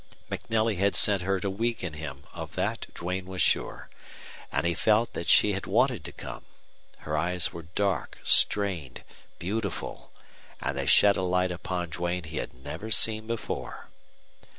MacNelly had sent her to weaken him; of that Duane was sure. And he felt that she had wanted to come. Her eyes were dark, strained, beautiful, and they shed a light upon Duane he had never seen before.